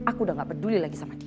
aku udah nggak peduli lagi sama dia